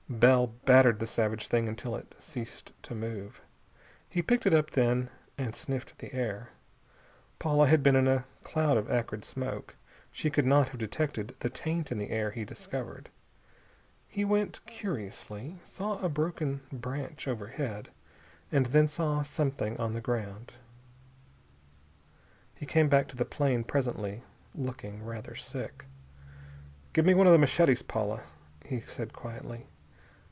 Bell battered the savage thing until it ceased to move. He picked it up, then, and sniffed the air. Paula had been in a cloud of acrid smoke. She could not have detected the taint in the air he discovered. He went curiously, saw a broken branch overhead, and then saw something on the ground. He came back to the plane presently, looking rather sick. "Give me one of the machetes, Paula," he said quietly.